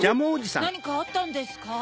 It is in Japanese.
なにかあったんですか？